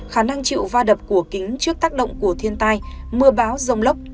khả năng chịu va đập cổ kính trước tác động của thiên tai mưa báo rông lốc